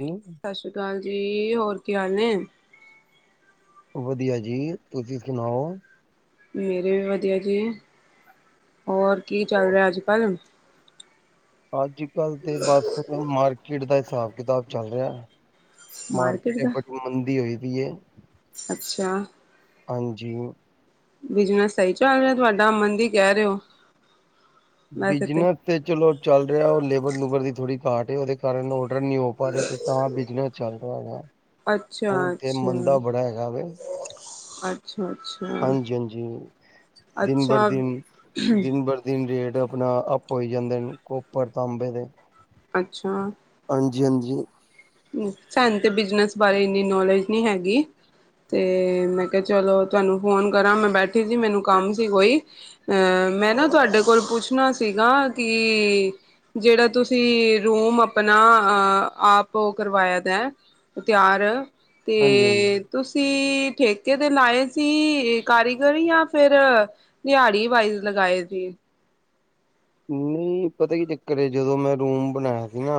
ਜੀ, ਸਤਿ ਸ੍ਰੀ ਅਕਾਲ ਜੀ ਹੋਰ ਕੀ ਹਾਲ ਨੇ? ਵਧੀਆ ਜੀ ਤੁਸੀਂ ਸੁਣਾਓ? ਮੇਰੇ ਵੀ ਵਧੀਆ ਜੀ ਹੋਰ ਕੀ ਚੱਲ ਰਿਹਾ ਅੱਜ ਕੱਲ? ਅੱਜ ਕੱਲ ਤੇ ਬਸ ਮਾਰਕੀਟ ਕਿੜ ਦਾ ਹਿਸਾਬ ਕਿਤਾਬ ਚੱਲ ਰਿਹਾ ਮਾਰਕੀਟ ਬ ਮੰਦੀ ਹੋਈ ਵੀ ਅੱਛਾ ਹਾਂਜੀ ਬਿਜਨਸ ਸਹੀ ਚੱਲ ਰਿਹਾ ਤੁਹਾਡਾ ਮੰਦੀ ਕਹਿ ਰਹੇ ਹੋ ਬਿਜਨਸ ਤੇ ਚਲੋ ਚੱਲ ਰਿਹਾ ਉਹ ਲੇਬਰ ਲੁਗਰ ਦੀ ਥੋੜੀ ਘਾਟ ਉਹਦੇ ਕਾਰਨ ਔਡਰ ਨ ਨਹੀਂ ਹੋ ਪਾ ਰਿਹਾ ਤਾਂ ਬਿਜਨਸ ਚੱਲ ਰਿਹਾਗਾ ਅੱਛਾ, ਹੁਣ ਤੇ ਅੱਛਾ, ਮੰਦਾ ਬੜਾ ਹੈਗਾ ਵ ਅੱਛਾ, ਅੱਛਾ। ਹਾਂਜੀ-ਹਾਂਜੀ ਦਿਨ ਬਰ ਅੱਛਾ, ਦਿਨ-ਦਿਨ ਬਰ ਦਿਨ ਰੇਟ ਆਪਣਾ ਅਪ ਹੋਇ ਜਾਂਦੇ ਨੇ ਕੋਪਰ ਤਾਂਬੇ ਦੇ ਅੱਛਾ। ਹਾਂਜੀ-ਹਾਂਜੀ ਸਨ ਤੇ ਬਿਜਨਸ ਬਾਰੇ ਇੰਨੀ ਨੌਲੇਜ ਨਹੀਂੀ ਹੈਗੀ ਤੇ ਮੈਂ ਕਿਹਾ ਚਲੋ ਤੁਹਾਨੂੰ ਫ਼ੋਨ ਕਰਾਂ ਮੈਂ ਬੈਠੀ ਸੀ ਮੈਨੂੰ ਕੰਮ ਸੀ ਕੋਈ ਮੈਂ ਨਾ ਤੁਹਾਡੇ ਕੋਲ ਪੁੱਛਣਾ ਸੀਗਾ ਕਿ ਜਿਹੜਾ ਤੁਸੀਂ ਰੂਮ ਆਪਣਾ ਆਪ ਕਰਵਾਇਆ ਦਾ ਤਿਆਰ ਹਾਂਜੀ ਹਾਂਜੀ। ਤੇ ਤੁਸੀਂ ਠੇਕੇ ਤੇ ਲਾਏ ਸੀ ਕਾਰੀਗਰ। ਜਾਂ ਫ਼ਿਰ ਦਿਹਾੜੀ ਵਾਇਜ਼ ਲਗਾਏ ਸੀ। ਨਹੀਂ ਪਤਾਂ ਕੀ ਚੱਕਰ। ਜਦੋਂ ਮੈਂ ਰੂਮ ਬਣਾਇਆਂ ਸੀ ਨਾ।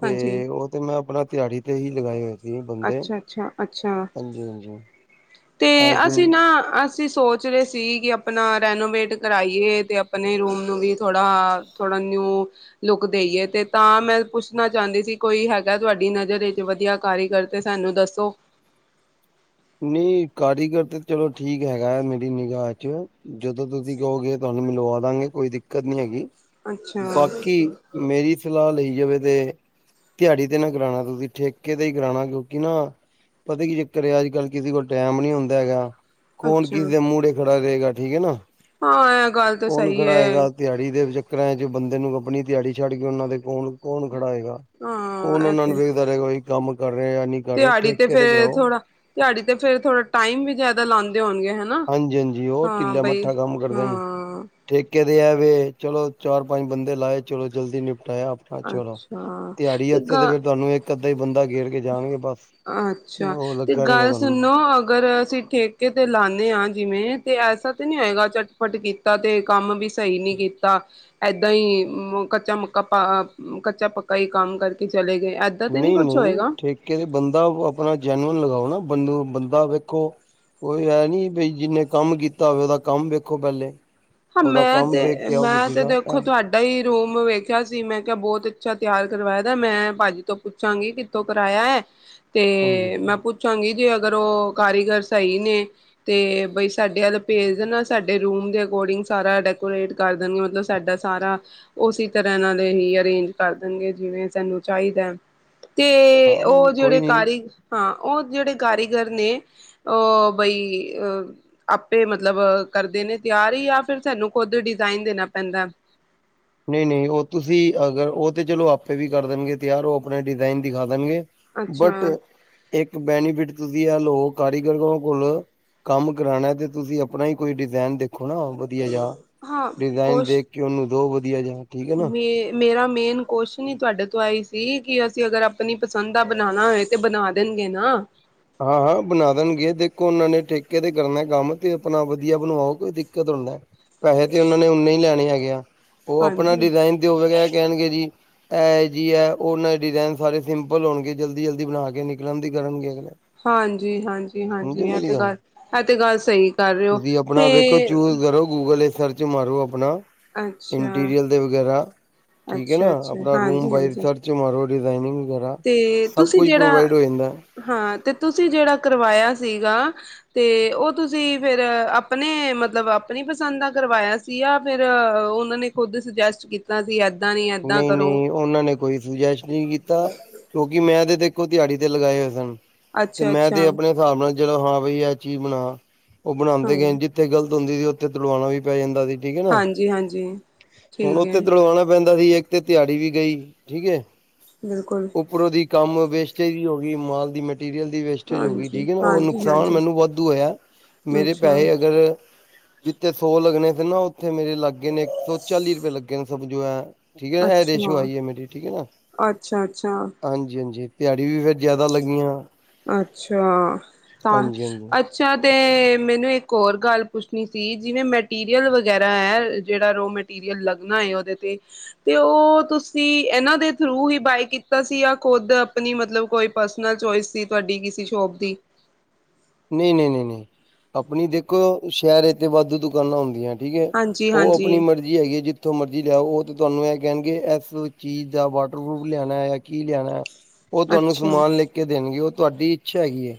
ਤੇ ਹਾਂਜੀ ਉਹ ਤੇ ਮੈਂ ਆਪਣਾਂ। ਦਿਹਾੜੀ ਤੇ ਹੀ ਲਗਾਏ ਹੋਏ ਸੀ। ਵੀ ਬੰਦੇ। ਅੱਛਾ ਅੱਛਾ ਅੱਛਾ ਹਾਂਜੀ ਹਾਂਜੀ ਤੇ ਐ ਜਿਮ ਅਸੀਂ ਨਾ ਅਸ ਅਸੀਂ ਸੋਚ ਰਹੇਂ ਸੀ ਕਿ ਆਪਣਾਂ ਰੈਨੋਵੇਟ ਕਰਾਈਏ ਤੇ ਆਪਣੇਂ ਰੂਮ ਨੂੰ ਵੀ ਥੋੜਾਂ। ਥੋੜ੍ਹਾਂ ਨਿਊ ਲੁੱਕ ਦੇਈਏ ।ਤੇ ਤਾਂ ਮੈਂ ਪੁੱਛਣਾਂ ਚਾਹੁੰਦੀ ਸੀ। ਕੋਈ ਹੈਗਾ ਤੁਹਾਡੀ ਨਜ਼ਰ ਵਿੱਚ ਵਧੀਆਂ ਕਾਰੀਗਰ ਤੇ ਸਾਂਨੂੰ ਦੱਸੋਂ। ਨਹੀਂ ਕਾਰੀਗਰ ਤੇ ਚਲੋਂ ਠੀਕ ਹੈਗਾ ਏ। ਮੇਰੀ ਨਿਗਾ ਵਿੱਚ ਜਦੋਂ ਤੁਸੀਂ ਕਹੋਗੇ ਤੁਹਾਂਨੂੰ ਮਿਲਵਾਂ ਦਾਂਗੇ ਕੋਈ ਦਿੱਕਤ ਨੀਂ ਹੈਗੀ। ਅੱਛਾ ਬਾਂਕੀ ਮੇਰੀ ਸਲਾਹ ਲਈ। ਜਿਵੇਂ ਤੇ ਦਿਹਾੜੀ ਤੇ ਨਾ ਕਰਾਉਣਾ। ਤੁਸੀਂ ਠੇਕੇ ਤੇ ਹੀ ਕਰਾਉਣਾਂ ਕਿਉਂਕਿ ਨਾ ਪਤਾਂ ਕੀ ਚੱਕਰ ਆ ਅੱਜ। ਅੱਜ਼ ਕੱਲ੍ਹ ਕਿਸ਼ੇ ਕੋਲ਼ ਟਾਇਮ ਨੀਂ ਹੁੰਦਾਂ ਹੈਗਾ। ਕੌਣ ਅੱਛਾ ਕਿਸੇ ਦੇ ਮੁਰੇ ਖ। ਕਰੇਗਾ ਠੀਕ ਹੈਂ ਨਾ। ਹਾਂ ਇਹ ਗੱਲ਼ ਤਾਂ ਸਹੀ ਹੈਂ। ਕਿਰਾਏ ਚ ਬੰਦੇ ਨੂੰ ਆਪਣੀਂ ਦਿਹਾੜੀ ਛੱਡ ਕੇ ਉਹਨਾਂ ਦੇ ਕੋਣ ਕੌਣ। ਖੜਾ ਹੈਏਗਾ ਹਾਂ ਕੌਣ ਇਹ ਉਹਨਾਂ ਨੂੰ ਤੇ ਵੇਖਦਾਂ ਰਹੇਗਾ। ਕਿ ਬਈ ਕੰਮ ਕਰ ਰਹੇ ਜਾਂ ਨਹੀਂ ਕਰ ਰਿਹਾ ਦਿਹਾੜੀ ਠੇਕੇ ਤੇ ਫੇਰ ਕਰਾਓ। ਥੋੜਾ ਦਿਹਾੜੀ ਤੇ ਫ਼ਿਰ ਥੋੜਾਂ ਟਾਇਮ ਵੀ ਜ਼ਿਆਦਾ ਲਾਉਂਦੇ ਹੋਣਗੇ। ਹਨਾ ਹਾਂਜੀ ਹਾਂਜੀ ਉਹ ਹਾਂ ਢਿੱਲਾ ਬਈ ਮੱਠਾਂ ਕੰਮ ਕਰਦੇ ਨੇਂ ਹਾਂ ਠੇਕੇ। ਏਂ ਵੇ ਚਲੋਂ ਚਾਰ ਪੰਜ ਬੰਦੇ ਲਾਏ ਚਲੋਂ ਜ਼ਲਦੀ ਨਿਪਟ ਆਪਣਾਂ ਚਲੋਂ ਅੱਛਾ ਦਿਹਾੜੀ ਹੱਥੇ ਤੇ ਗ ਫ਼ਿਰ ਤੁਹਾਂਨੂੰ ਇੱਕ ਤੇ ਬੰਦਾ ਗੇਰ ਕੇ ਜਾਂਣਗੇ। ਅੱਛਾ ਤੇ ਗੱਲ਼ ਸੁਣੋਂ ਅਗਰ ਅਸੀਂ ਠੇਕੇ ਤੇ ਲਾਂ ਆ ਜਿਵੇਂ ਤੇ ਐਸ ਤੇ ਨੀਂ ਹੋਏਗਾ। ਝਟ ਪਟ ਕੀਤਾਂ ਤੇ ਕੰਮ ਵੀ ਸਹੀ ਨੀਂ ਕੀਤਾਂ ।ਏਦਾਂ ਹੀ ਕੱਚਾ ਮੱਕਾ ਕੱਚਾ ਪੱਕਾ ਹੀ ਕੰਮ ਕਰਕੇ ਚਲੇਂ ਗਏ। ਏਦਾਂ ਤੇ ਨਹੀਂ ਕੁਛ ਨਹੀਂ ਹੋਏਗਾ। ਠੇਕੇ ਦੇ ਬੰਦੇ। ਬੰਦਾ ਆਪਣਾਂ ਜੈਨਵਨ ਲਗਾਓ ਨਾ। ਬੰਦੂ ਬੰਦਾ ਵੇਖੋ ਕੋਈ ਐ ਨੀ ਬਈ ਜਿੰਨੇਂ ਕੰਮ ਕੀਤਾਂ ਹੋਵੇਂ ਉਹਦਾ ਕੰਮ ਵੇਖੋ ਪਹਿਲੇ। ਹਾਂ ਉਹਦਾ ਮੈਂ ਕੰਮ ਤੇ ਵੇਖ ਕੇ ਆਓ ਮੈਂ ਕਿਸੇ ਤੇ ਦਾ ਐ ਦੇਖੋਂ ਤੁਹਾਡਾ ਹੀ ਰੂਮ ਵੇ ਖਿਆਂ ਸੀ ਮੈਂ ਕਿਹਾਂ ਬਹੁਤ ਅੱਛਾ ਤਿਆਰ ਕਰਵਾਇਆ ਦਾ। ਮੈਂ ਭਾਜੀ ਤੋਂ ਪੁੱਛਾਂਗੀ ਕਿੱਥੋਂ ਕਰਵਾਇਆਂ ਹੈਂ। ਤੇ ਸਮਝੋ ਮੈਂ ਪੁੱਛਾਂਗੀ ਜੇ ਅ ਅਗਰ ਉਹ ਕਾਰੀਗਰ ਸਹੀ ਨੇਂ ਤੇ ਬਈ ਸਾਡੇ ਵੱਲ਼ ਭੇਜ ਦੇਣਾ ਸਾਡੇ ਰੂਮ ਦੇ ਅਕੋਰਡਿੰਗ। ਸਾਰਾਂ ਡੈਕੋਰੇਟ ਕਰ ਦੇਣਗੇ। ਮੱਤਲਬ ਸਾਡਾ ਸਾਰਾਂ ਉਸੇ ਤਰ੍ਹਾਂ ਨਾਲੇ ਹੀ ਅਰੇਂਜ ਕਰ ਦੇਣਗੇ ਜਿਵੇਂ ਸਾਨੂੰ ਚਾਹੀਂਦਾ। ਤੇ ਹਾਂ ਉਹ ਕੋਈ ਜਿਹੜੇ ਨੀ ਕਾਰੀ ਹਾਂ। ਉਹ ਜਿਹੜੇ ਕਾਰੀਗਰ ਨੇਂ ਉਹ ਬਈ ਅ ਆਪੇ ਮੱਤਲਬ ਕਰਦੇਂ ਨੇਂ ਤਿਆਰ ਜਾ ਫ਼ਿਰ ਸਾਨੂੰ ਖੁੱਦ ਡਿਜ਼ਾਈਨ ਦੇਣਾਂ ਪੈਂਦਾਂ। ਨਹੀਂ ਨਹੀਂ ਉਹ ਤੁਸੀਂ ਅਗਰ। ਉਹ ਤੇ ਚਲੋ ਆਪੇ ਵੀ ਕਰ ਦੇਣਗੇ ਤਿਆਰ ਉਹ ਆਪਣੇ ਡਿਜ਼ਾਇਨ ਦਿਖਾ ਦੇਣਗੇ ਬਟ ਅੱਛਾ ਇੱਕ ਬੈਨੀਫਿਟ ਤੁਸੀਂ ਆ ਲੋ ਕਾਰੀਗਰ ਕੋਲ ਕੰਮ ਕਰਾਉਣਾ ਤੇ ਤੁਸੀਂ ਆਪਣਾ ਹੀ ਕੋਈ ਡਿਜ਼ਾਇਨ ਦੇਖੋ ਨਾ ਵਧੀਆ ਜਾ ਹਾਂ ਡਿਜ਼ਾਇਨ ਕੁਸ਼ ਦੇਖ ਕੇ ਉਹਨੂੰ [unintelligible] [unintelligible] ਜਾ ਠੀਕ ਹੈ ਨਾ ਮੇ ਮੇਰਾ ਮੇਨ ਕੁਛ ਨਹੀਂ ਤੁਹਾਡੇ ਤੋਂ ਆਈ ਸੀ ਈ ਕਿ ਅਸੀਂ ਅਗਰ ਆਪਣੀ ਪਸੰਦ ਦਾ ਬਣਾਣਾ ਹੋਏ ਤੇ ਬਣਾ ਦੇਣਗੇ ਨਾ? ਹਾਂ-ਹਾਂ, ਬਣਾ ਦੇਣਗੇ ਦੇਖੋ ਉਹਨਾਂ ਨੇ ਠੇਕੇ ਤੇ ਕਰਨਾ ਕੰਮ, ਤੇ ਆਪਣਾ ਵਧੀਆ ਬਣਵਾਓ ਕੋਈ ਦਿੱਕਤ ਥੋੜਾਨੇ, ਪੈਸੇ ਤੇ ਉਹਨਾਂ ਨੇ ਉਨੇ ਹੀ ਲੈਣੇ ਹੈਗੇ ਆ। ਉਹ ਆਪਣਾ ਹਾਂਜੀ ਡਿਜ਼ਾਇਨ ਦਇਓ ਗੇ, ਐ ਕਹਿਣਗੇ ਜੀ ਇਹ ਜੀ ਹੈ ਉਹਨਾਂ ਡਿਜ਼ਾਇਨ ਸਾਰੇ ਸਿੰਪਲ ਹੋਣਗੇ ਜਲਦੀ ਜਲਦੀ ਬਣਾ ਕੇ ਨਿਕਲਣ ਦੀ ਕਰਨਗੇ। ਸਮਝੇ ਹਾਂਜੀ-ਹਾਂਜੀ-ਹਾਂਜੀ, ਇਹ ਮੇਰੀ ਤੇ ਗੱਲ ਇਹ ਤੇ ਗੱਲ ਸਹੀ ਕਰ ਰਹੇ ਹੋ ਤੁਸੀਂ ਆਪਣਾ ਵੇਖੋ ਚੂਜ ਕੋਈ ਕਰੋ ਗੂਗਲ ਤੇ ਸਰਚ ਮਾਰੋ ਆਪਣਾ ਇੰਟੀਰੀਅਲ ਦੇ ਵਗੈਰਾ ਠੀਕ ਹ ਅੱਛਾ ਨਾ, ਅੱਛਾ ਆਪਣਾ ਰੂਮ ਹਾਂਜੀ ਬਾਈ ਹਾਂਜੀ ਚਰਚ ਮਾਰੋ ਡਿਜਾਇਨਿੰਗ ਵਗੈਰਾ ਤੇ ਸਭ ਕੁਝ ਪ੍ਰੋਵਾਈਡ ਹੋ ਜਾਂਦਾ। ਹਾ ਤੇ ਤੁਸੀਂ ਜਿਹੜਾ ਕਰਵਾਇਆ ਸੀਗਾ, ਤੇ ਉਹ ਤੁਸੀਂ ਫਿਰ ਆਪਣੇ ਮਤਲਬ ਆਪਣੀ ਪਸੰਦ ਦਾ ਕਰਵਾਇਆ ਸੀ ਯਾ ਫਿਰ ਉਹਨਾਂ ਨੇ ਖੁਦ ਸੁਜੈਸਟ ਕੀਤਾ ਸੀ ਏ ਨਹੀਂ-ਨਹੀਂ, ਉਹਨਾਂ ਨੇ ਕੋਈ ਸੁਜੈਸਟ ਨਹੀਂ ਕੀਤਾ, ਕਿਉਂਕਿ ਮੈਂ ਤੇ ਦੇਖ ਇੱਕੋ ਦਿਹਾੜੀ ਤੇ ਲਗਾਏ ਹੋਏ ਸਨ। ਤੇ ਅੱਛਾ ਮੈਂ ਅੱਛਾ ਤੇ ਆਪਣੇ ਹਿਸਾਬ ਨਾਲ ਚਲੋ ਹਾਂ ਬਈ ਐ ਚੀਜ਼ ਬਣਾ। ਉਹ ਹਾਂ ਬਣਾਦੇ ਗਏ ਨੇ, ਜਿੱਥੇ ਗਲਤ ਹੁੰਦੀ ਸੀ ਉੱਥੇ ਤੁੜਵਾਣਾ ਵੀ ਪੈ ਜਾਂਦਾ ਸੀ। ਠੀਕ ਹੈ ਨਾ, ਹਾਂਜੀ ਹਾਂਜੀ ਹੁਣ ਠੀਕ ਉੱਥੇ ਹੈ ਤੁੜਵਾਣਾ ਪੈਂਦਾ [unintelligible] ਇੱਕ ਤੇ ਤੇਹਾੜੀ ਵੀ ਗਈ, ਠੀਕ ਹੈ। ਬਿਲਕੁਲ ਉੱਪਰੋਂ ਦੀ ਕੰਮ ਵੇਸਟੇਜ ਵੀ ਹੋ ਇਮਾਲ ਦੀ ਮਿੱਟ ਮਟੀਰੀਅਲ ਦੀ ਵੇਸਟੇਜ ਹੋ ਗਈ, ਹਾਂਜੀ ਠੀਕ ਹੈ ਨਾ, ਉਹ ਹਾਂਜੀ ਨੁਕਸਾਨ ਹਾਂਜੀ ਮੈਨੂੰ ਵਾਧੂ ਹੋਇਆ, ਮੇਰੇ ਅੱਛਾ ਪੈਹੇ ਅਗਰ ਜਿੱਥੇ ਸੌ ਲੱਗਣੇ ਸੀ ਨਾ ਉੱਥੇ ਮੇਰੇ ਲੱਗ ਗੇਨੇ ਇੱਕ ਸੌ ਚਾਲੀ ਰੁਪਏ ਲੱਗੇ [unintelligible] ਠੀਕ ਹੈ ਨਾ, ਇਹ ਰੇਸ਼ੋ ਅੱਛਾ ਆਈ ਹੈ ਮੇਰੀ, ਠੀਕ ਹੈ ਨਾ, ਅੱਛਾ ਅੱਛਾ ਹਾਂਜੀ-ਹਾਂਜੀ। ਤੇਹਾੜੀ ਵੀ ਫਿਰ ਜ਼ਿਆਦਾ ਲੱਗੀਆਂ। ਅੱਛਾ, ਤਾਂ ਹਾਂਜੀ-ਹਾਂਜੀ ਅੱਛਾ ਤੇ ਮੈਨੂੰ ਇੱਕ ਹੋਰ ਗੱਲ ਪੁੱਛਣੀ ਸੀ, ਜਿਵੇਂ ਮੈਟੀਰੀਅਲ ਵਗੈਰਾ ਹੈ ਜਿਹੜਾ ਰੋ ਮੈਟੀਰੀਅਲ ਲੱਗਣਾ ਹੈ ਉਹਦੇ ਤੇ, ਤੇ ਉਹ ਤੁਸੀਂ ਇਹਨਾਂ ਦੇ ਥਰੂ ਹੀ ਬਾਏ ਕੀਤਾ ਸੀ ਜਾਂ ਖੁਦ ਆਪਣੀ ਮਤਲਬ ਕੋਈ ਪਰਸਨਲ ਚੋਇਸ ਸੀ ਤੁਹਾਡੀ ਕਿਸੇ ਸ਼ੋਪ ਦੀ ਨਹੀਂ ਨਹੀਂ ਨਹੀਂ ਨਹੀਂ, ਆਪਣੀ ਦੇਖੋ ਸ਼ਹਿਰ ਏ ਤੇ ਵਾਧੂ ਦੁਕਾਨਾਂ ਹੁੰਦੀਆਂ। ਠੀਕ ਹੈ, ਹਾਂਜੀ ਉਹ ਹਾਂਜੀ ਆਪਣੀ ਮਰਜ਼ੀ ਹੈਗੀ ਹੈ ਜਿੱਥੋਂ ਮਰਜ਼ੀ ਲਿਆਓ ਉਹ ਤੇ ਤੁਹਾਨੂੰ ਇਹ ਕਹਿਣਗੇ ਇਸ ਚੀਜ਼ ਦਾ ਵਾਟਰਪੂਫ ਲਿਆਣਾ ਜਾਂ ਕੀ ਲਿਆਣਾ ਹੈ। ਉਹ ਤੁਹਾਨੂੰ ਅੱਛਾ ਸਮਾਨ ਲਿਖ ਕੇ ਦੇਣਗੇ ਉਹ ਤੁਹਾਡੀ ਇੱਛਾ ਹੈਗੀ ਹੈ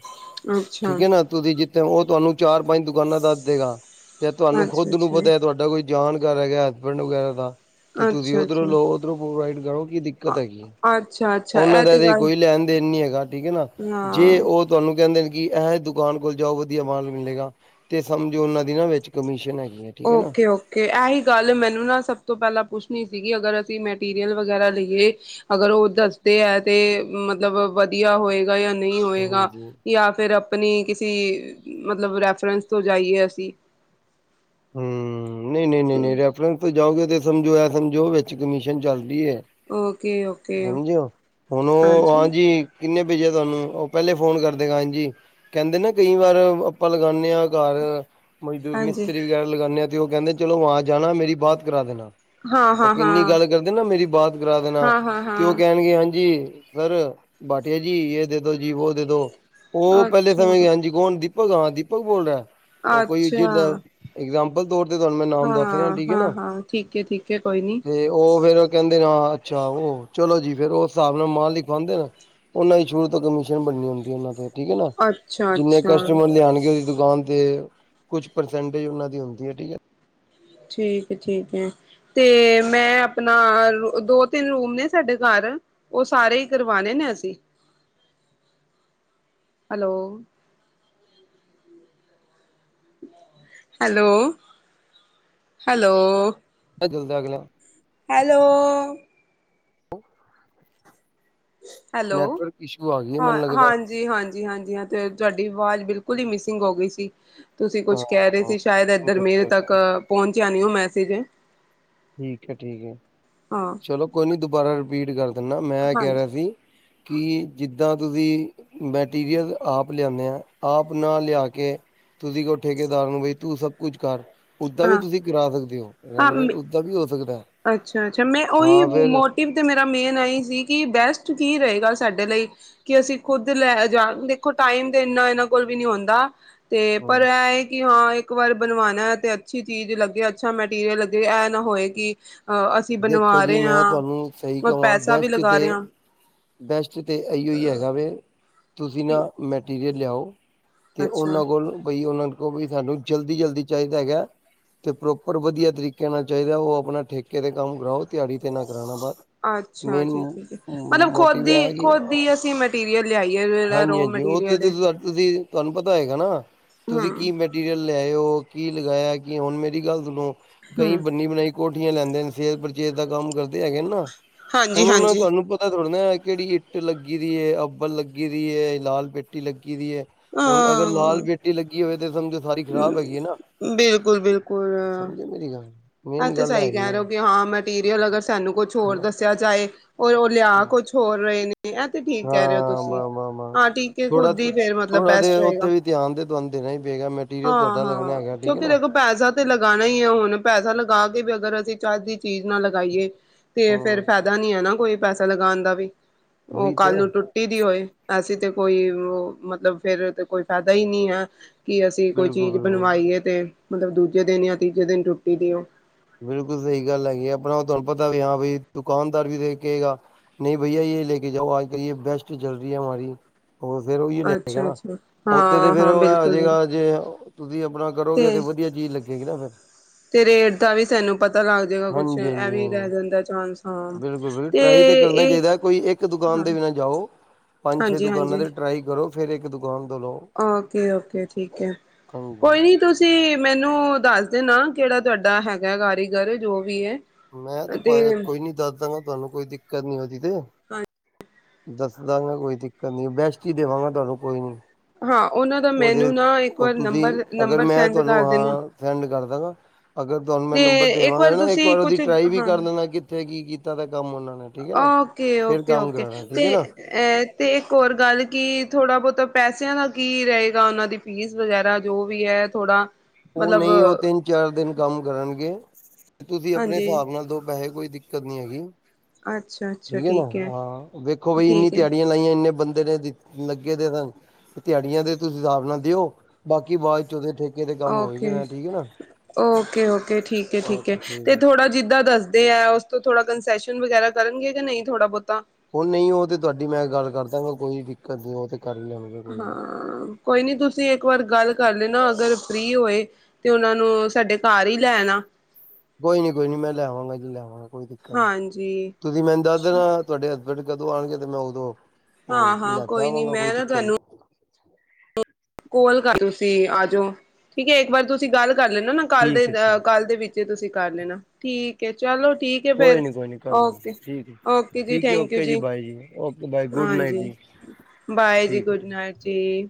ਅੱਛਾ ਠੀਕ ਹੈ ਨਾ ਤੁਸੀਂ ਜਿੱਥੇ ਹੋ ਉਹ ਤੁਹਾਨੂੰ ਚਾਰ ਪੰਜ ਦੁਕਾਨਾਂ ਦੱਸ ਦੇਗਾ ਚ ਅੱਛਾ ਤੁਹਾਨੂੰ ਅੱਛਾ ਖੁੱਦ ਨੂੰ ਪਤਾ ਤੁਹਾਡਾ ਕੋਈ ਜਾਨ ਘਰ ਹੈਗਾ ਤਾਂ ਹਸਬੈਂਡ ਵਗੈਰਾ ਤਾਂ ਤੇ ਤੁਸੀਂ ਅੱਛਾ ਓਧਰੋਂ ਅੱਛਾ ਲਓ ਓਧਰੋਂ ਪ੍ਰੋਵਾਈਡ ਕਰੋ ਕੀ ਦਿੱਕਤ ਹੈ ਅੱਛਾ ਅੱਛਾ ਉਹਨਾਂ ਇਹ ਦਾ ਤੇ ਗੱਲ ਕੋਈ ਲੈਣ ਦੇਣ ਨੀ ਹੈਗਾ ਠੀਕ ਹੈ ਨਾ ਹਾਂ ਜੇ ਉਹ ਤੁਹਾਨੂੰ ਕਹਿੰਦੇ ਕਿ ਐਹ ਦੁਕਾਨ ਕੋਲ ਜਾਓ ਵਧੀਆ ਮਾਲ ਮਿਲੇਗਾ ਤੇ ਸਮਝੋ ਉਹਨਾਂ ਦੀ ਨਾ ਵਿੱਚ ਕਮਿਸ਼ਨ ਹੈ ਹੈਗੀ ਠੀਕ ਹੈ ਨਾ। ਓਕੇ ਓਕੇ ਐਹੀ ਗੱਲ ਮੈਨੂੰ ਨਾ ਸਭ ਤੋਂ ਪਹਿਲਾਂ ਪੁੱਛਣੀ ਸੀਗੀ ਅਗਰ ਅਸੀਂ ਮੈ ਮਟੈਰੀਅਲ ਵਗੈਰਾ ਲਈਏ ਅਗਰ ਉਹ ਦੱਸਦੇ ਹੈ ਤੇ ਮਤਲਬ ਵਧੀਆ ਹੋਏ ਯਾਂ ਨਹੀਂ ਹੋਏਗਾ ਹਾਂਜੀ। ਯਾਂ ਫਿਰ ਆਪਣੀ ਕਿਸੇ ਮਤਲਬ ਰੈਫਰੈਂਸ ਤੋਂ ਜਾਈਏ ਅਸੀਂ ਹਮ ਨਹੀਂ ਨਹੀਂ ਤੇ ਨਹੀਂ ਰੈਫ਼ਰਨਸ ਤੇ ਜਾਓਗੇ ਤੇ ਸਮਝੋ ਏ ਸਮਝੋ ਵਿੱਚ ਕਮਿਸ਼ਨ ਚੱਲ ਦੀ ਏ ਓਕੇ ਓਕੇ ਸਮਝਿਓ ਹੁਣ ਉਹ ਹਾਂਜੀ ਕਿੰਨੇ ਭੇਜਿਆ ਤੁਹਾਨੂੰ ਉਹ ਪਹਿਲੇ ਫੋਨ ਕਰਦੇ ਗਾ ਹਾਂਜੀ ਕਹਿੰਦੇ ਨਾ ਕਈ ਵਾਰ ਆਪਾਂ ਲਗਾਨੇ ਹਾਂ ਕਾਲ ਮਜ਼ਦ ਹਾਂਜੀ ਮਿਸਤਰੀ ਵਗੈਰਾ ਲਗਾਨੇ ਹਾਂ ਤੇ ਉਹ ਕਹਿੰਦੇ ਚਲੋ ਵਾਂ ਜਾਣਾ ਮੇਰੀ ਬਾਅਤ ਕਰਾ ਦੇਣਾ ਹਾਂ ਉਹ ਹਾਂ ਕਿੰਨੀ ਹਾਂ ਗੱਲ ਕਰਦੇ ਨਾ ਮੇਰੀ ਬਾਤ ਕਰਾ ਦੇਣਾ ਹਾਂ ਹਾਂ ਤੇ ਉਹ ਹਾਂ ਕਹਿਣਗੇ ਹਾਂਜੀ ਸਰ ਭਾਟੀਆ ਜੀ ਇਹ ਦੇ ਦੋ ਜੀ ਵੋਹ ਦੇ ਦੋ ਉਹ ਪਹਿਲੇ ਅੱਛਾ ਸਮੇਂ ਗ ਹਾਂਜੀ ਕੌਣ ਭਗਾਂ [unintelligible] ਦੀਪਕ ਬੋਲ ਰਿਹਾ ਉਹ ਕੋਈ ਅੱਛਾ ਜਿਦ ਇਗਜਾਮਪਲ ਤੌਰ ਤੇ ਤੁਹਾਨੂੰ ਮੈਂ ਨਾਮ ਦੱਸ ਰਿਹਾ ਹਾਂ ਠੀਕ ਹੈ ਹਾਂ ਨਾ ਹਾਂ ਠੀਕ ਹੈ ਠੀਕ ਹੈ ਕੋਈ ਨੀ ਤੇ ਉਹ ਫੇਿਰ ਕਹਿੰਦੇ ਹਾਂ ਅੱਛਾ ਉਹ ਚਲੋ ਜੀ ਫੇਿਰ ਉਸ ਹਿਸਾਬ ਨਾਲ ਮਾਂ ਲਿਖਵਾਉਂਦੇ ਨਾ ਉਹਨਾ ਦੀ ਸ਼ੁਰੂ ਤੋਂ ਕਮਿਸ਼ਨ ਬਣਨੀ ਹੁੰਦੀ ਉਹਨਾਂ ਤੇ ਠੀਕ ਹੈ ਨਾ ਅੱਛਾ ਜਿੰਨੇ ਅੱਛਾ ਕਸਟਮਰ ਲਿਆਣਗੇ ਉਹਦੀ ਦੁਕਾਨ ਤੇ ਕੁਛ ਪਰਸੈਂਟੇਜ ਉਹਨਾਂ ਦੀ ਹੁੰਦੀ ਹੈ ਠੀਕ ਹੈ ਠੀਕ ਹੈ ਠੀਕ ਹੈ ਤੇ ਮੈਂ ਆਪਣਾ ਦੋ ਤਿੰਨ ਰੂਮ ਨੇ ਸਾਡੇ ਘਰ ਉਹ ਸਾਰੇ ਹੀ ਕਰਵਾਣੇ ਨੇ ਅਸੀਂ ਹੈਲੋ ਹੈਲੋ ਹੈਲੋ ਜਲਦਾ [unintelligible] ਅਗਲਾ ਹੈਲੋ ਹੈਲੋ ਨੈਟਵਰਕ ਇਸ਼ੂ ਆ ਗਈ ਹੈ ਹਾਂ ਮੈਨੂੰ ਲੱਗਦਾ ਹਾਂਜੀ ਹਾਂਜੀ ਹਾਂਜੀ ਹਾਂ ਤੇ ਤੁਹਾ ਡੀ ਆਵਾਜ਼ ਬਿਲਕੁਲ ਹੀ ਮਿਸਿੰਗ ਹੋ ਗਈ ਸੀ ਤੁਸੀਂ ਕੁਛ ਕਹਿ ਰਹੇ ਹਾਂ, ਸੀ ਸ਼ਾਇਦ ਇੱਧਰ ਮੇਰੇ ਠੀਕ ਤੱਕ ਪਹੁੰਚਿਆ ਨੀ ਹੋ ਮੈ ਸੀਗੇ ਠੀਕ ਹੈ ਠੀਕ ਹੈ ਚਲੋ ਕੋਈ ਨੀ ਦੁਬਾਰਾ ਰਿਪੀਟ ਕਰ ਦਿੰਨਾ ਮੈਂ ਕਹਿ ਹਾਂਜੀ ਰਿਹਾ ਸੀ। ਕਿ ਜਿੱਦਾਂ ਤੁਸੀਂ ਮੈਟੀਰੀਅਲ ਆਪ ਲਿਆਣੇ ਆ ਆਪ ਨਾ ਲਿਆ ਕੇ ਤੁਸੀਂ ਕੋਈ ਠੇਕੇਦਾਰ ਨੂੰ ਬਈ ਤੂੰ ਸਭ ਕੁਛ ਕਰ ਓਦਾਂ ਵੀ ਹਾਂ ਤੁਸੀਂ ਕਰਾ ਸਕਦੇ ਹੋ ਰੈਨੋਵੇਟ ਸਕਦੇ ਅੱਛਾ ਅੱਛਾ ਮੈਂ ਉਹੀ ਮੋਟਿਵ ਤੇ ਮੇਰਾ ਮੇਨ ਹੈ ਹੀ ਸੀ ਕਿ ਬੈਸਟ ਕੀ ਰਹੇਗਾ ਸਾਡੇ ਲਈ ਕਿ ਅਸੀਂ ਖੁੱਦ ਲੈ ਜਾਣ ਦੇਖੋ ਟਾਈਮ ਤਾਂ ਇੰਨਾ ਇਹਨਾਂ ਕੋਲ ਵੀ ਨਹੀਂ ਹੁੰਦਾ। ਤੇ ਪਰ ਇਹ ਹਾਂ, ਹੈ ਕਿ ਹਾਂ ਇੱਕ ਵਾਰ ਬਣਵਾਣਾ ਤੇ ਅੱਛੀ ਚੀਜ਼ ਲੱਗੇ ਅੱਛਾ ਮੈਟੀਰੀਅਲ ਲੱਗੇ ਇਹ ਨਾ ਹੋਏ ਕਿ ਅ ਅਸੀਂ ਦੇਖੋ ਬਣਵਾ ਜੀ ਰਹੇ ਮੈਂ ਹਾਂ ਤੁਹਾਨੂੰ ਸਹੀ ਔਰ ਕਹਵਾਂ ਪੈਸਾ ਵੀ ਬੈਸਟ ਲਗਾ ਤੇ ਰਹੇ ਹਾਂ ਬੈਸਟ ਤੇ ਇਹੀਓ ਹੀ ਹੈਗਾ ਵੈ। ਤੁਸੀਂ ਕਿ ਨਾ ਮੈਟੀਰੀਅਲ ਲਿਆਓ ਤੇ ਅੱਛਾ ਉਹਨਾਂ ਕੋਲ ਬਈ ਉਹਨਾਂ ਵੀ ਸਾਨੂੰ ਜਲਦੀ ਜਲਦੀ ਚਾਹੀਦਾ ਹੈਗਾ ਤੇ ਪ੍ਰੋਪਰ ਵਧੀਆ ਤਰੀਕੇ ਨਾਲ ਚਾਹੀਦਾ ਉਹ ਆਪਣਾ ਠੇਕੇ ਤੇ ਕੰਮ ਕਰਾਓ ਦਿਹਾੜੀ ਤੇ ਨਾ ਕਰਣਾ ਬਸ ਅੱਛਾ ਮੇਨ ਜੀ ਠੀਕ ਹੈ ਮਤਲਬ ਮੋਟਿਵ ਖੁਦ ਐ ਹੀ ਹੈ ਕਿ ਖੁਦ ਹੀ ਅਸੀਂ ਮਟੀਰੀਅਲ ਲਿਆਈਏ ਜਿਹੜਾ ਹਾਂਜੀ ਰੋ ਹਾਂਜੀ ਓਥ ਮਟੀਰੀਅਲ ਹੈ ਤੁ ਤੁਹਾਨੂੰ ਪਤਾ ਹੈਗਾ ਨਾ ਤੁਸੀਂ ਕੀ ਹਮ ਮਟੀਰੀਅਲ ਲਿਆਓ ਕੀ ਲਗਾਇਆ ਕਿ ਹੁਣ ਮੇਰੀ ਗੱਲ ਸੁਣੋ। ਕਈ ਹਮ ਬੰਨੀ ਬਣਾਈ ਕੋਠੀਆਂ ਲੈਂਦੇ ਨੇ ਸੇਰ ਪਰਚੇਰ ਦਾ ਕੰਮ ਕਰਦੇ ਹੈਗੇ ਨਾ ਹੁਣ ਹਾਂਜੀ ਉਹਨ ਹਾਂਜੀ ਤੁਹਾਨੂੰ ਪਤਾ ਥੋੜ੍ਹਾ ਇਹ ਕਿਹੜੀ ਇੱਟ ਲੱਗੀ ਦੀ ਹੈ ਅੱਬਲ ਲੱਗੀ ਦੀ ਏ ਲਾਲ ਪੇਟੀ ਲੱਗੀ ਹੁਣ ਅਗਰ ਲਾਲ ਹਾਂ ਬੇਟੀ ਲੱਗੀ ਹੋਵੇ ਤੇ ਸਮਝੋ ਸਾਰੀ ਖ਼ਰਾਬ ਹੈਗੀ ਹੈ ਨਾ ਬਿਲਕੁਲ ਬਿਲਕੁਲ ਸਮਝ ਮੇਰੀ ਗੱਲ ਇਹ ਮੇਨ ਤੇ ਗੱਲ ਸਹੀ ਹੈਗੀ ਕਹਿ ਆ। ਰਹੇ ਹੋ ਕਿ ਮਟੀਰੀਅਲ ਅਗਰ ਸਾਨੂੰ ਕੁਛ ਹੋਰ ਦੱਸਿਆ ਜਾਏ ਹੋਰ ਉਹ ਲਿਆ ਕੁਛ ਹੋਰ ਰਹੇ ਨੇ। ਇਹ ਤੇ ਠੀਕ ਹਾਂ ਕਹਿ ਰਹੇ ਹੋ ਤੁਸੀਂ ਵਾਹ ਵਾਹ ਵਾਹ ਹਾਂ, ਠੀਕ ਹੈ ਥੋੜਾ ਖੁਦ ਹੀ ਫੇਰ ਮਤਲਬ ਥੋੜਾ ਬੈਸਟ ਦੇ ਰਹੇਗਾ ਉੱਥੇ ਵੀ ਧਿਆਨ ਤੇ ਤੁਹਾਨੂੰ ਦੇਣਾ ਹੀ ਪਏਗਾ ਮਟੀਰੀਅਲ ਹਾਂ- ਤੁਹਾਡਾ ਲੱਗਣਾ ਹਾਂ ਹੈਗਾ ਠੀਕ ਹੈ ਕਿਉਂਕਿ ਨਾ ਦੇਖੋ ਪੈਸਾ ਤੇ ਲਗਾਉਣਾ ਹੀ ਹੈ ਹੁਣ ਪੈਸਾ ਵੀ ਅਗਰ ਅਸੀਂ ਚੱਜ ਦੀ ਚੀਜ਼ ਨਾ ਲਗਾਈਏ ਤੇ ਫੇਰ ਫਾਇਦਾ ਹਮ ਨੀ ਹੈ ਨਾ ਕੋਈ ਪੈਸੇ ਲਗਾਉਣ ਦਾ ਵੀ ਉਹ ਉਹੀ ਤੇ ਕੱਲ ਨੂੰ ਟੁੱਟੀ ਦੀ ਹੋਏ ਅਸੀ ਤੇ ਕੋਈ ਮਤਲਬ ਫੇਰ ਤੇ ਕੋਈ ਫਾਇਦਾ ਹੀ ਨਹੀਂ ਹੈ। ਕੀ ਅਸੀਂ ਕੋਈ ਬਿਲਕੁਲ ਚੀਜ਼ ਬਿਲਕੁਲ ਬਣਵਾਈਏ ਤੇ ਮਤਲਬ ਦੂਜੇ ਦਿਨ ਜਾਂ ਤੀਜੇ ਦਿਨ ਟੁਟੀ ਦੀ ੳ ਬਿਲਕੁਲ ਸਹੀ ਗੱਲ ਹੈਗੀ ਆ, ਆਪਣਾ ੳਹ ਤੁਹਾਨੂੰ ਪਤਾ ਵੀ ਹਾਂ ਵੀ ਦੁਕਾਨਦਾਰ ਵੀ ਏਹੀ ਕਹੇਗਾ ਨਹੀਂ ਭਈਆ ਇਹ ਲੈ ਕੇ ਜਾਓ ਆਜ ਕੱਲ ਇਹ ਬੇਸਟ ਚਲ ਰਹੀ ਹੈ ਹਮਾਰੀ। ਉਹ ਫੇਰ ਉਹੀ ਲਏਗਾ ਨਾ, ਅੱਛਾ-ਅੱਛਾ ਉੱਥੇ ਤੇ ਫੇਰ ਏਹ ਹਾਂ-ਹਾਂ ਹੋ ਬਿਲਕੁਲ ਬਿਲਕੁਲ ਜੇਗਾ ਜੇ ਤੁਸੀਂ ਅਪਣਾ ਕਰੋਗੇ ਤੇ ਵਧੀਆ ਚੀਜ਼ ਲੱਗੇਗੀ ਨਾ ਫਿਰ ਤੇ ਰੇਟ ਦਾ ਵੀ ਸਾਨੂੰ ਪਤਾ ਲੱਗ ਜਾਏਗਾ ਕੁਛ ਹਾਂਜੀ ਇਹ ਹਾਂਜੀ ਵੀ ਰਹਿ ਜਾਂਦਾ ਚਾਂਸ ਹਾਂ ਬਿਲਕੁਲ ਬਿਲਕੁਲ ਟਰਾਈ ਤੇ ਕਰਨਾ ਚਾਹੀਦਾ ਕੋਈ ਇੱਕ ਦੁਕਾਨ ਹਾਂ ਤੇ ਵੀ ਨਾ ਜਾਓ। ਪੰਜ, ਛੇ ਦੁਕਾਨਾਂ ਤੇ ਟਰਾਈ ਕਰੋ। ਫੇਰ ਇੱਕ ਦੁ ਔਕੇ ਔਕੇ ਠੀਕ ਹੈ। ਹਾਂਜੀ। ਕੋਈ ਨੀ ਤੁਸੀਂ ਮੈਨੂੰ ਦੱਸ ਦੇਨਾ ਕਿਹੜਾ ਤੁਹਾਡਾ ਹੈਗਾ ਕਾਰੀਗਰ ਜੋ ਵੀ ਏ ਮੈਂ ਤੇ ਕੋਈ ਨੀ ਦੱਸ ਦਾਂਗਾ ਤੁਹਾਨੂੰ ਕੋਈ ਦਿੱਕਤ ਨੀ ਉਹਦੀ ਤੇ, ਦੱਸ ਦਾਂਗਾ ਕੋਈ ਦਿੱਕਤ ਨੀ। ਬੈਸਟ ਹੀ ਦੇਵਾਂਗਾ ਤੁਹਾਨੂੰ ਕੋਈ ਨੀ। ਹਾਂ ਉਹਨਾਂ ਦਾ ਉਹਦੇ ਮੈਨੂੰ ਨਾ ਇੱਕ ਉਹ ਵਾਰ ਤੁਸੀਂ ਨੰਬਰ ਅਗਰ ਨੰਬਰ ਮੈਂ ਸੈਂਡ ਤੁਹਾਨੂੰ ਕਰ ਦੇਣਾ ਹਾਂ ਸੈਂਡ ਕਰ ਦਗਾਂ ਅਗਰ ਤੁਹਾਨੂੰ ਮੈਂ ਤੇ ਨੰਬਰ ਦੇਵਾਂਗਾ ਨਾ ਇੱਕ ਤੁਸੀਂ ਵਾਰ ਉਹਦੀ ਕੁਛ ਵੀ ਕਰ ਦੇਣਾ ਕਿੱਥੇ ਕੀ ਕੀਤਾ ਤਾਂ ਕੰਮ ੳਹ ਮ ਔਕੇ ਔਕੇ ਔਕੇ ਠੀਕ ਤੇ ਹੈ ਨਾ ਅ ਤੇ ਇੱਕ ਹੋਰ ਗੱਲ ਕਿ ਥੋੜ੍ਹਾ ਬਹੁਤਾ ਪੈਸਿਆਂ ਦਾ ਕੀ ਰਹੇਗਾ ਉਹਨਾਂ ਦੀ ਫੀਸ ਵਗੈਰਾ ਜੋ ਵੀ ਹੈ ਥੋੜਾ ਉਹ ਮਤਲਬ ਨਹੀਂ ਉਹ ਤਿੰਨ ਚਾਰ ਦਿਨ ਕੰਮ ਕਰਨਗੇ ਤੁਸੀਂ ਅਪਣੇ ਹਾਂਜੀ ਹਿਸਾਬ ਨਾਲ ਦੋ ਪੈਹੇ ਕੋਈ ਦਿੱ ਦਿੱਕਤ ਨਹੀਂ ਹੈਗੀ। ਠੀਕ ਹੈ ਨਾ। ਹਾਂ ਵੇਖੋ ਬਈ ਇੰਨੀ ਠੀਕ ਹੈ ਦਿਹਾੜੀਆਂ ਲਾਈਆਂ ਇੰਨੇ ਬੰ ਲੱਗੇ ਦੇ ਸਨ। ਦਿਹਾੜੀਆਂ ਦੇ ਤੁਸੀਂ ਹਿਸਾਬ ਨਾਲ ਦਿਓ ਬਾਕੀ ਬਾਅਦ ਚ ਉਹਦੇ ਠੇਕੇ ਤੇ ਕੰਮ ਹੋਈ ਔਕੇ ਜਾਣਾ ਠੀਕ ਹੈ ਨਾ। ਔਕੇ ਔਕੇ ਠੀਕ ਹੈ ਠੀਕ ਹੈ, ਤੇ ਥੋੜਾ ਜਿਦਾਂ ਦੱਸਦੇ ਆ ਉਸਤੋ ਥੋੜਾ ਕੰਸਸ਼ਨ ਵਗੈਰਾ ਕਰਨਗੇ ਕਿ ਨਹੀਂ ਥੋੜ੍ਹਾ ਬਹੁਤ ਓਹ ਨਹੀਂ ਉਹ ਤੇ ਤੁਹਾਡੀ ਮੈਂ ਗੱਲ ਕਰਦਾਗਾ ਕੋਈ ਦਿੱਕਤ ਨਹੀਂ ਉਹ ਤੇ ਕਰ ਹੀ ਲੈਣਗੇ ਕੋਈ ਨੀ। ਹਾਂ ਕੋਈ ਨੀ ਤੁਸੀਂ ਇੱਕ ਵਾਰ ਗੱਲ ਕਰ ਨਾ ਅਗਰ ਫ੍ਰਰੀ ਹੋਏ ਤੇ ਉਹਨਾਂ ਨੂੰ ਸਾਡੇ ਘਰ ਹੀ ਲੈ ਆਣਾ ਕੋਈ ਨੀ ਕੋਈ ਨੀ ਮੈਂ ਲੈ ਆਵਾਂਗਾ ਜੀ ਲੈ ਆਵਾਂਗਾ ਕੋਈ ਦਿੱਕਤ ਨੀ ਹਾਂਜੀ ਤੁਸੀਂ ਮੈਨੂੰ ਦੱਸ ਦੇਣਾ ਤੁਹਾਡੇ ਫ ਕਦੋਂ ਆਉਣਗੇ ਤੇ ਮੈਂ ਉਦੋਂ ਹਾਂ ਉਹ ਹਾਂ ਲੈਦਾ ਕੋਈ ਨੀ ਆਵਾਂਗਾ ਮੈਂ ਨਾ ਦਿੱਕਤ ਨੀ ਤਹਾਨੂੰ [inaudible] ਕੋਲ ਕਰਨੀ ਸੀਂ ਆ ਜਾਓ ਠੀਕ ਹੈ ਇੱਕ ਵਾਰ ਤੁਸੀਂ ਗੱਲ ਕਰ ਲੈਣਾ ਨਾ ਕੱਲ ਦੇ ਠੀਕ ਹੈ ਅਹ ਠੀਕ ਕੱਲ ਦੇ ਵਿੱਚ ਤੁਸੀਂ ਕਰ ਲੈਣਾ ਠੀਕ ਕੇ ਚੱਲੋ ਕੋਈ ਨੀ ਕੋਈ ਨੀ ਕਰ ਲਵਾਂਗੇ ਠੀਕ ਹੈ ਓਕੇ ਜੀ ਠੀਕ ਹੈ ਥੈਂਕ ਯੂ ਓਕੇ ਜੀ ਬਾਈ ਜੀ ਓਕੇ ਬਾਈ ਗੁਡ ਨਾਈਟ ਹਾਂਜੀ ਜੀ ਬਾਏ ਜੀ ਠੀਕ ਗੁੱਡ ਨਾਈਟ ਜੀ